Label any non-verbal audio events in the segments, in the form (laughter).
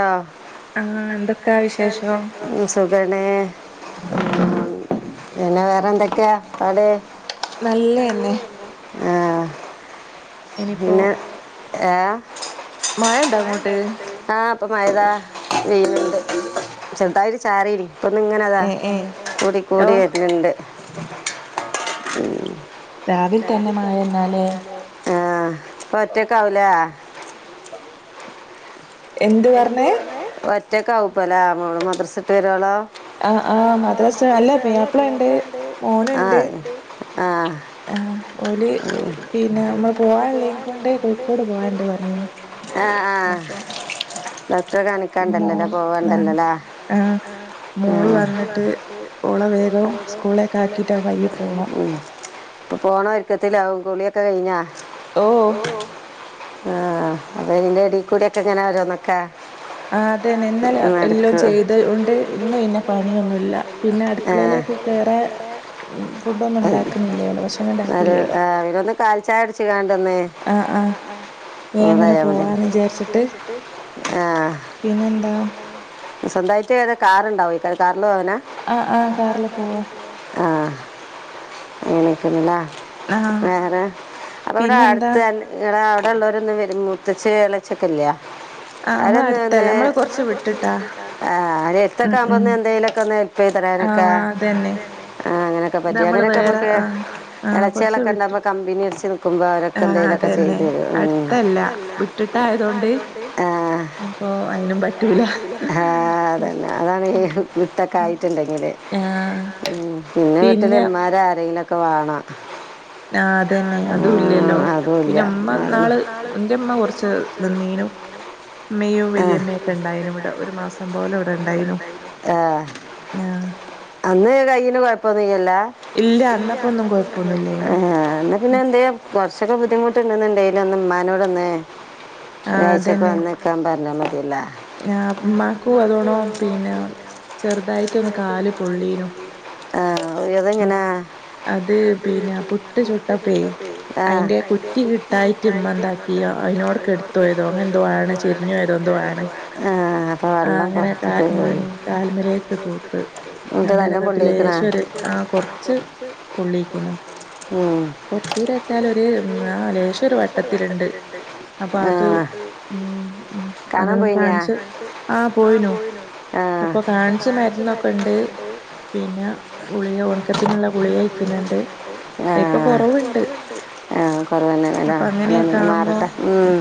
ആഹ് സുകം (unintelligible) പിന്നെ വേറെ എന്തൊക്കെയാ പാട് ഏഹ് ഇനിയിപ്പോ ഏഹ് മഴ ഉണ്ടാ അങ്ങോട്ട് ഇപ്പം മയ ഇതാ വെയിലുണ്ട് ചെറുതായിട്ട് ചാറിഇരി അപ്പന്ന ഇങ്ങനെ അതാ കൂടി കൂടി വരുണ് ണ്ട് ആഹ് ഇപ്പൊ ഒറ്റക്കാവും ല്ലേ എന്ത് പറഞ്ഞേ ഒറ്റക്കെ ആകും ഇപ്പല്ലേ മദ്രസ വിട്ട് വരോളം ആഹ് ആഹ് മദ്രാസ അല്ല പ്യയ്യാപ്പിള ഉണ്ട് മോനുണ്ട് ആ ഓലി പിന്നെ നമ്മള് പോവാാനുള്ളേയ്. ങ്കൊണ്ട് കോഴിക്കോട് പോവാനുണ്ട് പറഞ്ഞ അപ്പം ഡോക്ടറെ കാണിക്കാണ്ടല്ലല്ലോ പോവാണ്ടല്ലല ഉം (unintelligible) (unintelligible) ഇപ്പ പോണ ഒരുക്കത്തില്ലകും കുളിയൊക്കെ കഴിഞ്ഞാ ആഹ് അത് അയിന്റെ എടെകൂടി ഒക്കെ എങ്ങനെ ഒരോന്നൊക്കാ ആ അത് തന്നെ ഇന്നലെ എല്ലാം ചെയ്ത കൊണ്ട് ഇന്ന് പിന്നെ പണിയൊന്നുമല്ല പിന്നെ അടുക്കളയിലേക്ക് വേറെ ഫുഡ് ഒന്നും ഉണ്ടാക്കുന്നില്ലല്ലോ ഭക്ഷണം ഉണ്ടാകില്ലല്ലോ ആഹ് ആഹ് (unintelligible) ആഹ്‌ സ്വന്തായിട്ട് ഏതാ കാറണ്ടാവോ കാറില് പോകാനാ ആഹ് ആഹ് അങ്ങനേക്കാണ്ല്ലേ വേറെ അപ്പോവടെ അടുത്ത ത്തൊള്ളോരൊന്നും വരും മുത്തച്ചേ എളേച്ചേക്കില്ലയാ അവരൊന്ന് വന്ന് നമ്മള് കൊറച്ച് വീട്ടിട്ടാ ആഹ്‌ (unintelligible) ആഹ് അതന്നെ ആഹ് അങ്ങനൊക്കെ പറ്റി അങ്ങനൊക്കെ നമ്മക്ക് ഇളച്ചികളൊക്കെ ണ്ടാവുമ്പോ കമ്പിനി യടിച്ച് നി നിക്കുമ്പോ അവരൊക്കെ എന്തേലൊക്കെ ചെയ്തരും മ്മ് ആഹ്‌ ആഹ് അതന്നെ അതാണ് ഈഹ് വിട്ടൊക്കെ ആയിട്ട്ണ്ടെങ്കില് ഉം പിന്നെ വീട്ടില് ഇമ്മര് ആരെങ്കിലുക്കെ വാണം ആഹ് അതന്നെ അതും ഇല്ലല്ലോ പിന്നെ ഉമ്മ ഇന്നാള് ഇന്റെ ഉമ്മ കൊറച്ച് നിന്നി നു മ്മേയും വെല്യമ്മയൊക്കെ ഇണ്ടായിനു ഇവിടെ ഒരു മാസംപോലെ ഇവിടെ ഇണ്ടായിനു ആഹ് അന്ന് കയ്യിന് കൊഴപ്പൊന്ന് ഇല്ലല്ലാ ഇല്ലാ (inaudible) എന്നാ പിന്നെ എന്തേ കൊറച്ചക്കെ ബുദ്ധിമുട്ടുണ്ട് ന്ന്ണ്ടേല് ഒന്ന് ഉമ്മാനോട് ഒന്ന് ഒരാഴ്ചക്കെ വന്ന് നിക്കാൻ പറഞ്ഞാ മതിയല്ല ആഹ്‌ ഉമ്മാക്കു അതോണോ പിന്നെ (inaudible) ആഹ് ഒയോ അതെങ്ങനാ അത് പിന്നെ പുട്ടു ചുട്ടപ്പേ അയിന്റെ കുറ്റി കിട്ടായിട്ട ഇമ്മ എന്താക്കി അതിനോടൊക്ക എടുത്തുപോയതോ അങ്ങനെ എന്തോ ആണ് ചെരിഞ്ഞോതോ എന്തോ ആണ് ആഹ് അങ്ങനെ കാ ഉം കാല്മേലേക്ക് തൂത്ത് അങ്ങനന്നിട്ട് ലേശോര് താ കൊറച്ച് പൊളിക്കണ് കൊറച്ചീരിച്ചാല് ഒര് ആഹ്‌ ലേശം ഒരു വ ട്ടത്തില്ണ്ട് അപ്പോ അത് ഉം ഉം അത് പാൻസ് ആഹ പോയിനു അപ്പൊ ബാലൻസ് മരുന്നൊക്കെ ഉണ്ട് പിന്നെ പോയി ഒറക്കത്തിനുള്ള ഗുളിക കഴിക്കുന്നുണ്ട് ആഹ് ആഹ് കൊറവന്നെ അന്നാ മാറട്ടെ ഉം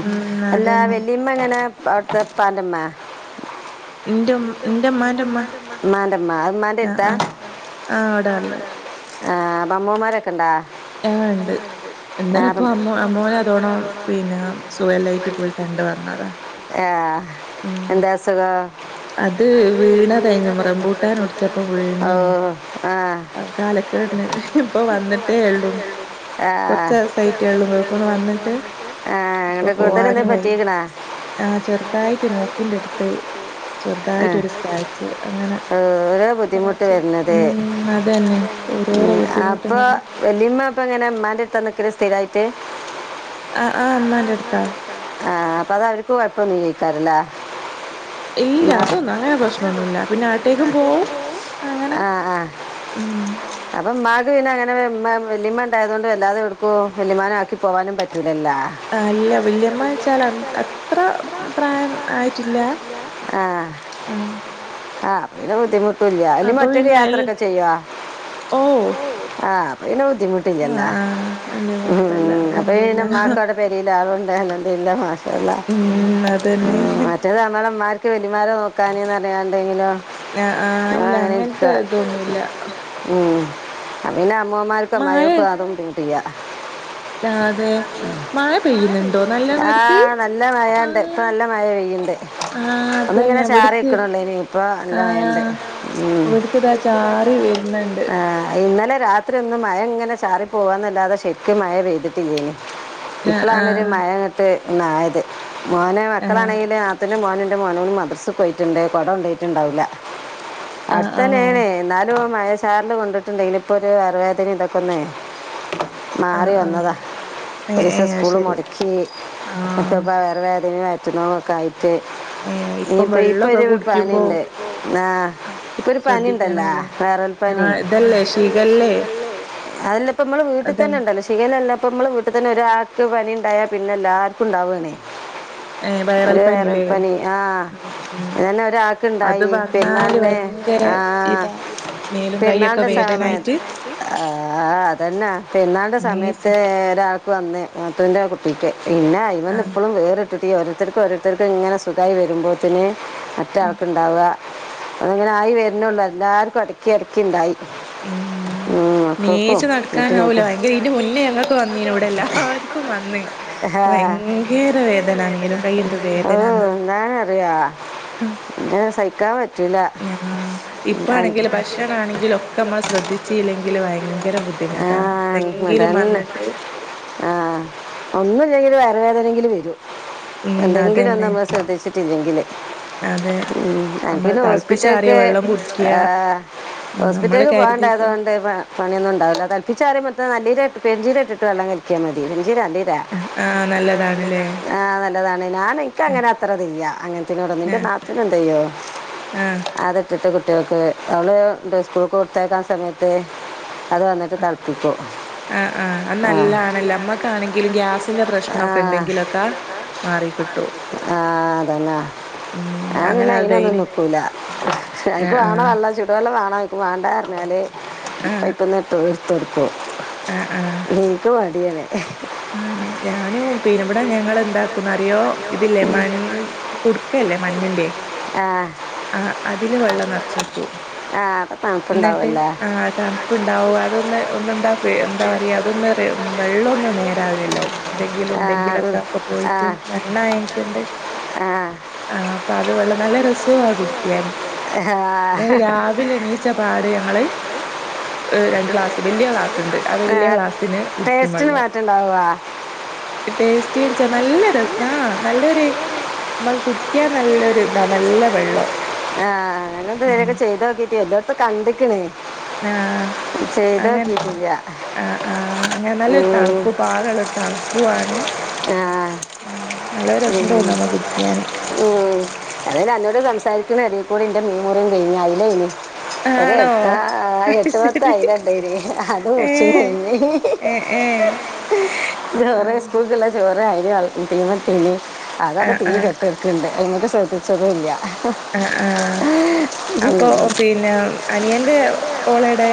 അല്ലാ വെലിയമ്മ എങ്ങനെ അവിടുത്തെ പോലെ അമ്മ എന്റെ ഉമ്മാന്റെ ഉമ്മാ ഉമ്മാന്റെ എടുത്താ ഇവിടെ വരല് ആഹ് അമ്മൂമാരൊക്കെ ഉണ്ടോ ആഹ ഇണ്ട് ഇന്നലെ ഇപ്പൊ അമ്മ അമ്മൂമ്മാനെ അതോട പിന്നെ സുഖല്ലായിട്ട് പോയി കണ്ട വന്നതാ എന്താ അസുഖവാ അത് വീണ് (unintelligible) കഴിഞ്ഞ വീ നഷ ആഹ് ആഹ് ആഹ്എന്നിട്ട് കൂടുതല് എന്തേലും പറ്റിക്കണാ ആ ചെറുതായിട്ട് മൂക്കിന്റെ അടുത്ത്- ചെറുതായിട്ട ഒരു സ്ക്രാച്ച് അങ്ങനെ - അതന്നെ ഓരോരോ ബുദ്ധിമുട്ട് ഇങ്ങനെ ഇപ്പ എങ്ങനെ ഉമ്മാന്റെ അടുത്താ നിക്കണെ സ്ഥിരായിട്ട്- ആഹ് ആഹഹ് ഉമ്മാന്റെ അടുത്താന് ആഹ് അപ്പൊ അത് അവർക്കും കോഴപ്പൊന്നും കോയിി (unintelligible) ക്കാറല്ല ആ ആഹ് ആഹ് അപ്പൊ ഉമ്മാക് പിന്നെ - അങ്ങനെ വലിയമ്മ ഉണ്ടായതുക കൊണ്ട് വല്ലാതെ എടുക്ക വല്യമാനെ ആക്കി പോവാനും പറ്റില്ല ആഹ് അല്ല വല്യമ്മ വെച്ചാൽ അത്ര പ്രായം ആയിട്ടില്ല ആഹ് ആഹ് അപ്പ പിന്നെ ബുദ്ധിമുട്ടയില്ല അല് മറ്റക്ക് യാത്രയൊക്കെ ചെയ്യവാ ഓഹ് ആഹ് ബുദ്ധിമുട്ടില്ലല്ലോ ഉം അപ്പൊ പിന്നെ മക്കടെ പെരിലോ അതുകൊണ്ട്. ഞാനുണ്ട് ഇല്ല മാഷാ അല്ലാഹ് ഉം മറ്റേത് നമ്മടെ മാർ ക്ക് വെലമാം നോക്കാനെന്ന് അറിയാണ്ടെങ്കിലോ. ആഹ് ഞാൻ അങ്ങനെ നിക്കാ ഉം. അതിന് അമ്മമാർക്കും അമയർക്കും അതുണ്ട് ഇനി ചെയ്യാം. ആഹ് അതെ മഴ പെയ്യുന്നുണ്ടോ നല്ലോണം അവിടുക്ക് ആഹ്. ആഹ് അതന്നെ ഇവിടുക്ക് ആഹ് ഇവിടുക്ക് ഇതാ ചാറി വരു ആഹ് ഇന്നലെ രാത്രി ഒന്നും മഴ. മഴ ഇങ്ങനെ ചാറി പോവാന്നല്ലാതെ ശരിക്ക് മഴ പെയ്തിട്ട് ഇല്ലെന്നു ഇപ്പോളാണ് ഒരു മഴ അങ്ങട്ട്. ഒന്ന് ആയത് മോനെ മക്കൾ ആണെങ്കിലും നാത്തൂനിന്റെ മോൻ. മോനെ മദ്രസ പോയിട്ടുണ്ട്, കൊട കൊണ്ടോയിട്ടുണ്ടാവില്ല, അടുത്ത തന്നെയാണ് എന്നാലും. മഴ ചാറലും കൊണ്ടിട്ടുണ്ടെങ്കിൽ ഇപ്പൊ ഒരു ആയുർവേദ ഇതൊക്കെ ഒന്ന്. മാറി വന്നതാ. ഒരു ദിവസം സ്കൂള് മുടക്കി ഇപ്പപ്പോ വയർ വേദനയും വയറ്റുന്ന ഒക്കെ ആയിട്ട്. ഇനിപ്പോ ഇപ്പൊ ഒരു പനിയുണ്ട് ആഹ് ഇപ്പൊ ഒരു പനിയുണ്ടലോ. ആഹ് ഇതല്ലേ ഷിഗെല്ല. അതില്ലപ്പോ നമ്മടെ വീട്ടിൽ തന്നെയുണ്ടല്ലോ ഷിഗെല്ല അല്ല ഇപ്പൊ നമ്മള്. ഇപ്പൊ തന്നെ ഒരാൾക്ക് പനി ഉണ്ടായാൽ പിന്നെ എല്ലാർക്കും ഉണ്ടാവാണ്. ഏഹ് വയറൽ പനില്ലേ. പനി ആഹ് ഇതെന്നെ ഒരാൾക്ക് ഇണ്ടായി പെരുന്നാളിന് ആഹ്. പെരുന്നാളിന്റെ സമയം ആഹ് അത്. അതെന്നെ പെരുന്നാളിന്റെ സമയത്ത് ഒരാൾക്ക് വന്ന് നാത്തൂന്റെ കുട്ടിക്ക്. പിന്നെ ഇത് വന്ന് ഇപ്പോഴും വേറിയിട്ടിട്ട് ഓരോരുത്തർക്കും ഓരോരുത്തർക്കും ഇങ്ങനെ സുഖമായി വരുമ്പോഴത്തേന്. അറ്റാക്കുണ്ടാവുക അതങ്ങനെ ആയി വരണേയുള്ളൂ എല്ലാർക്കും എടയ്ക്ക് എടയ്ക്ക് ഇണ്ടായി ഉം ണീച്ച് നടക്കാനാവൂല ഭയങ്കര ഇയിന്റെ മുന്നേ ഞങ്ങൾക്ക് വന്നീന് ഇവിടെല്ലാർക്കും വന്ന് വയങ്കര വേദന മേലും യ്യും എന്തോ ഓഹ് എന്താന്നറിയോ (inaudible) സഹിക്കാന് ഞ്ഞ് ആഹ് ഇപ്പ ആണെങ്കില് ഭക്ഷണ ആണെങ്കിലും ഒക്കമ്മ ശ്രദ്ധിച്ചീലെങ്കില് വയങ്കര ബു ദ്ധിമുട്ടാ എന്തെങ്കിലും വന്നിട്ട് ആഹ് ഒന്നുവില്ലെങ്കിലും വയറ് വേദനെങ്കില് വരും എന്തെങ്കിലൊന്നും നമ്മള് ശ്രദ്ധിച്ചിട്ടില്ലെങ്കില് ഉം എനിക്ക് പിന്നെ ഹോസ്പിറ്റൽക്ക് ആഹ് ഹോസ്പിറ്റലേക്ക് പോകണ്ടാത്ത കൊണ്ട് ഇപ്പാ പണിയൊന്നും ഉണ്ടാവില്ല തെൾപ്പിച്ചാറിയ മൊത്തം നല്ലീര ഇട്ടിട്ട് പെര്ഞ്ചീരം ഇട്ടിട്ട് വെള്ളം കുളിക്കിയാ മതിന്ന് ജീരാ നല്ലീരാ ആഹ് നല്ലിരാണ് ആഹ് ന ല്ലതാണ് ഞാൻ എനിക്കങ്ങനെ അത്ര തില്ല അങ്ങനത്തിനോടൊന്നും ഇന്റെ നാത്തീ (unintelligible) യ്യോ അതിട്ടിട്ട് കുട്ടികൾക്ക് അവള് (unintelligible) സ്കൂൾക്ക് കൊടുത്തയക്കാൻ സമയത്ത് അഹ് ആഹ് ആഹ് അത് നല്ലാണല്ലേ മ്മക്കാണെങ്കിലും ഗ്യാസ് ത്തിന്റെ പ്രശ്നൊക്കെ ഇണ്ടെങ്കിലൊക്കെ മാറിക്കിട്ടൂ ഞാൻ പിന്നെ അയിനൊന്നും നിക്കൂലാ അനക്ക് വേണോ വെള്ളം ചുടു വെള്ളം വേണോ ചോ ക്കും വേണ്ട പറഞ്ഞാല് പൈപ്പ്ന്ന് എടുത്ത് എടുത്തു കൊടുക്കും (inaudible) യിയാണ് ഞാനും പിന്നെ ഇവിടെ ഞങ്ങളെന്താക്കുന്നറിയോ ഇതില്ലേ മൺ കുടുക്കല്ലേ മണ്ണിന്റെ ആഹ് അതില് വെള്ളം നെറച്ചേക്കും ന്നിട്ട് ആഹ് തണുപ്പുണ്ടാവും അതൊന്ന് ഒന്ന് എന്താ ഫ്രി എന്താ പറയാ അതൊന്ന് റെ വെള്ളം ഒന്ന് നേരാവില്ലോ എന്തെങ്കിലും ഉണ്ടെങ്കിലൊക്കെ അപ്പൊ പോയിട്ട് മണ്ണായേനെ കൊണ്ട് ആഹ് അപ്പൊ അത് വെള്ളം നല്ല രസമാണ് കുടിക്കാന് അന്നേരം രാവിലെ എണീച്ച പാട് ഞങ്ങള് രണ്ട് ഗ്ലാസ് വലിയ ഗ്ലാസ്‌ ഉണ്ട് ആ വലിയ ഗ്ലാസ്സിന് കുടിക്കും വെള്ളം ടേസ്റ്റ് ന്ന് വെച്ചാ നല്ലൊരു ആ നല്ലൊരു നമ്മക്ക്- കുടിക്കാൻ നല്ലരു ഇതാ നല്ല വെള്ളം ആഹ് അങ്ങനെ എന്തേലുംയൊക്ക ചെയ്ത് നോക്കീട്ടീ എല്ലോടത്ത കണ്ടിക്കണേ ആഹ് ചെയ്ത് നോക്കീട്ടില്ല ആഹ് ആഹ് അങ്ങനെ നല്ലൊരു തണുപ്പ് പാകുള്ള ഒരു തണുപ്പും ആണ് നല്ല രസം തോന്നും നമ്മ കുടിക്കാന് (unintelligible) അേ കൂടിന്റെ മേമുറയും കഴിഞ്ഞ അതി (unintelligible) ല്ലേ ഇനി ഒരു എട്ട എട്ട് പത്ത് അയില ഇണ്ടായിനി അത് മുറിച്ച നിന്ന് ജോരേ സ്കൂൾക്കല്ലാോ (unintelligible) ആയി തീമ തീനി അ (unintelligible) തത തീ കെട്ടെടുക്കുണ്ട് എന്നങ്ങോട്ട് ശ്രദ്ധിച്ചത ഇല്ല (unintelligible) ആഹ് ആഹ് അപ്പൊ പിന്നെ അനിയന്റെ- ഓള് എവിടെ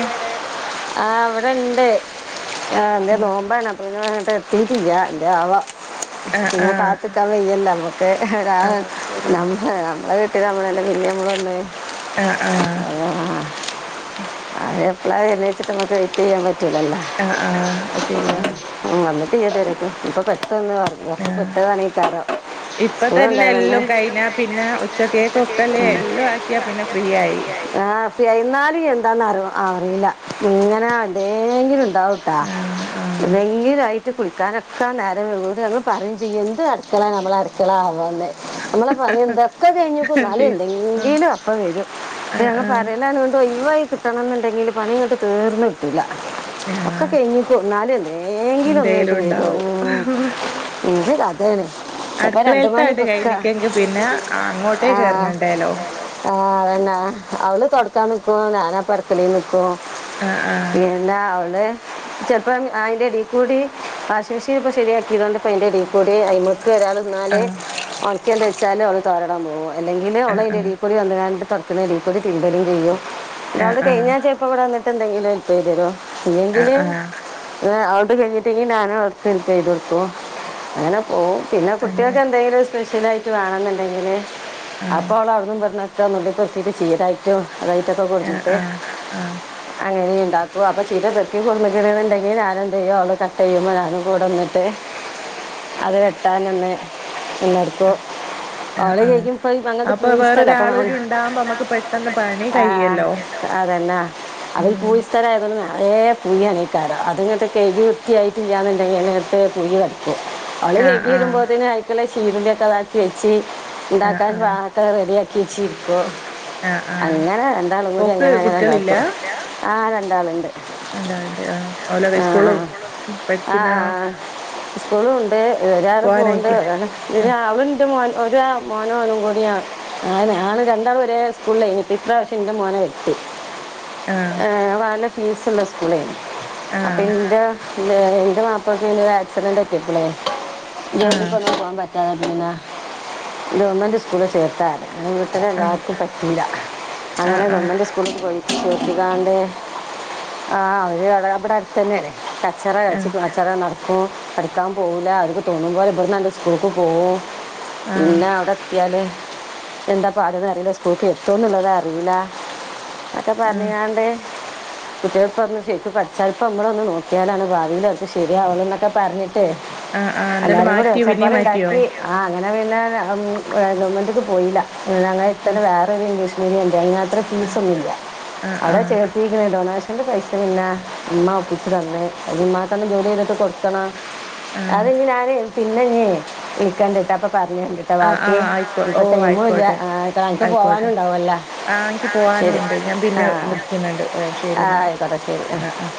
ആഹ് അവിടെണ്ട് ആ എന്തേ നോമ്പാണ് അപ്പ പിന്നെ - നിർത്തിട്ടില്ല എന്റെ അവാം പിന്നെ കാത്തിക്കാൻ വെയയ്യല്ല നമുക്ക്മ്മ നമ്മളളെ - കേട മനല്ലെ ഭിയെ മറല്ലേ (unintelligible) ആഹ് ആഹ് എപ്പളാ എണിച്ചിട്ട് (unintelligible) നമു ചെയ്യാൻ പറ്റൂലലല്ലോ വന്നിട്ട് തീരെ തെരക്കും ഇപ്പൊ പറ്റ- ന്ന് പറഞ്ഞ പെട്ടതാണെങ്ക തരാം ഇപ്പ തന്നെ എല്ലാം കഴിഞ്ഞാ പിന്നെ ഉച്ചക്കക്കേ തൊട്ടലെ എല്ലാം ആക്കിയാ പിന്നെ ഫ്രീ ആയി ആഹ് പെയ്ന്നാല് എന്താന്ന് അറി അറീല്ല. ഇങ്ങനെ എന്തേങ്കിലും ഇണ്ടാവുട്ടാ എന്തെങ്കില്വാഇട്ട് ട്ട് കുളിക്കാനൊക്കെ നേരം വൈകും. ന്നട്ട് ഞങ്ങള് പറിം ചെയ്യും. എന്ത് അടുക്കളെ നമ്മളെ അടുക്കള (unintelligible) ന്ന് നമ്മളെ പനി ഇന്തൊക്കെ കഴിഞ്ഞ് ക്കു ഇന്നാലും എന്തെങ്കിലും അപ്പം വരും. ഞങ്ങൾ പറയലാണ്. വീണ്ടും ഒയ് വായി കിട്ടണം ന്ന്ണ്ടെങ്കിൽ പണി ഇങ്ങട്ട് തീർന്ന്ന് കിട്ടൂല്ല ഒക്കെ കഴിഞ്ഞിക്കു. ഇന്നാലും എന്തേങ്കിലും ഒന്ന് ഇട്ട് വരും ഉം എന്തു ല അതെന്നെ അടുക്കളേയില്ത്താട് കഴിഞ്ഞിക്കെങ്കി പിന്നെ അങ്ങോട്ടേക്കയറങ്ങണ്ടേല്ലോ ആതെന്നെ. അവള് തൊടക്കാൻ നിക്കും (unintelligible) ഞാന പറക് (unintelligible) ത്ത്ള (unintelligible) നിക്കും എന്താ അവള് ചെപ്പം അയിന്റെടീക്കൂടി വാഷിമി ഷീൻ ഇപ്പ ശെരിയാക്കി കൊണ്ട്പ്പ അയ്ന്റെ എടേ കൂടി അയ് ഒരാൾ നിന്നാലേ ഉണക്കിണ്ട വെച്ചാലും അത് തരടാൻ പോക അല്ലെങ്കിൽ ഒളയ്ൻ്റെടീക്കൂടി വന്ന് കാണ്ട് തൊട്ക്ക്ണ എടീ ക്കൂടി തിര്മ്പെ ലും ചെയ്യും ആഹ് ഞാൻ ചേപ്പോ ഇവടെ വന്നിട്ട് എന്തെങ്കിലും ഹെല്പ ചെയ് തരോമോ ഇല്ലെങ്കില് കഴിഞ്ഞിട്ടെ. ഞാന്ന കൊട്ക്കു അങ്ങനെ പോകും പിന്നെ കുട്ടികൾക്ക് എന്തെങ്കും സ്പെഷ്യലായിട്ട് വാണെന്ന്ണ്ടെങ്കില് അപ്പോ അവള അവിട്ന്നും ബെട് നൊക്കെ നുള്ളി കുറത്തീട്ട് ചീരായിട്ടോ അതായിറ്റൊക്കെ കൊടുഞ്ഞിട്ട് അങ്ങനെയ ഉണ്ടാക്കും അപ്പൊ ചീര തെക്കി കൊണ്ട്ന്ന്ക്ക്ണ് ഞാൻ എന്ത് ചെയ്യും അവള് കട്ട് ചെയ്യുമ്പോ ഞാനും കൂടെ ന്ന്ന്ന്ട്ട് അത് വെട്ടാനൊന്ന് ഒന്നെടുക്കൊ അവള കഴികിയപ്പൊ അഹ് അങ്ങൻത്തെ പൂ സ്ഥല അപ്പ മ ആഹ് അതെന്നാ അതിൽ പൂയി സ്ഥലയതോണ്ടെ കുഴി അണെയ്ട്ടരം അത് ഇങ്ങട്ട്ട്ട് കഴ്കി വൃത്തിയായിട്ട് ഇല്ലാന്ന്ണ്ടെങ്കി ഞാൻണ്ടെിൽങ്ങട്ടത്ത് പഴ് കടിക്കും അവള് കഴ്കി വരുമ്പോത്തിന് അഴ്ക്ക് ള്ള ചിരുള്ള്യെക്കെ അതാക്കി വെച്ച് ഇണ്ടാക്കാൻ പാക്ക റെഡിയാക്കി വെച്ചിരിക്കോ. അങ്ങനെ എന്താ അനങ്ങന ഉണ്ടാക്കും ആഹ് രണ്ടാള് ഉണ്ട് ഉണ്ടാ ഉണ്ട് ആഹ് ഓലോ കൈ സ്കൂള് പഠിക്കുന്നണോ സ്കൂള ഉണ്ട് ഒരാള് പോകണ്ട് രാവിലെ ഇണ്ട് മോൻ ഒരാ മോനോ ഒന്നും കൂടിയാണ് ആണ് രണ്ടാൾ വരെ സ്കൂളിൽ കഴഞ്ഞിട്ട് ഇപ്രാവശ്യം എൻ്റെ മോന് ഏഹ് അവിടെ നല്ല ഫീസ് ഉള്ള സ്കൂള് എയ്നി അപ്പൊ ഇന്റെ ഇന്റെ മാപ്പളക്ക് ഒരു ആക്സിഡന്റ് പറ്റിയപ്പള് ജോലി കെന്നും പോകാൻ പ പറ്റതെ നിന്ന ഗവൺമെറ്റ് സ്കൂളിൽ ചേർത്താ വീട്ടന്ന് എല്ലാവർക്കും പറ്റില്ല അങ്ങനെ ഗവണ്മെന്റ് സ്കൂളിൽ പോയി ഇത്ണ്ട് ആഹ് അവര് അവിടെ അടുത്ത് തന്നെയാണ് കച്ചറ കഴിച്ച കച്ചറ നട പഠിക്കാൻ പോകൂല ഓൽക്ക് തോന്നുമ്പോല ഇബ്ട്ന്ന് സ്കൂളക്ക് പോവും പിന്നെ അവിടെ എത്തിയാല് എന്താ പറയുന്നത് അറിയില്ല സ്കൂൾക്ക് എത്തേന്നുള്ളത് അറിയില്ല (unintelligible) ഞാണ്ട് കുട്ടികൾപ്പൊ ഒന്ന് ശക്ക് പച്ചപ്പം നമ്മളൊന്ന് നോക്കിയാലാണ് ഭാവിയിക്കെ ശരിയാവെള്ളു എന്നെക്ക പറഞ്ഞി എല്ലാവരും കൂടെ ഒച്ചപ്പാട് ഉണ്ടാക്കി ആഹ് അങ്ങനെ പിന്നെ ഗവൺമെന്റ്റക്ക് പോയില്ല ഞങ്ങൾ എരുത്തന്നെ വേറെൊരു ഇംഗ്ലീഷ് മീഡിയം ഉണ്ട് അതിനകത്ത് അത്ര ഫീസൊന്നില്ല അവിടെ ചേർത്തിക്ക്ണ് ഡെനേഷൻ അന്റെ പൈസ പിന്നെ ഉമ്മ് ഒപ്പിച്ചച്ച് തന്ന് അത് ഉമ്മാക്ക് ജോലി ചെയ്തിട്ട് കൊടുത്തണം അത് ഇഞ് ഞാനേ പിന്നെ വിളിക്കെണ്ട്ട്ടെ അപ്പൊ പറഞ് തരണ്ട് കേട്ടെ ബാക്കി ഇപ്പ ടൈമ് ഇല്ല അനക്ക് പോവാനും ഉണ്ടാല്ലോ ആഹ് എനിക്ക് പോകാനും ഉണ്ട് ഞാൻ പിന്നെ വിളിക്കുന്നുണ്ട് ഓ ശരി എന്നാ ആഹ് ആഹ്